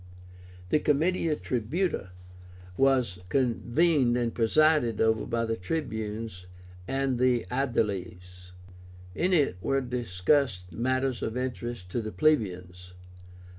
The Comitia Tribúta was convened and presided over by the Tribunes and Aediles. In it were discussed matters of interest to the plebeians.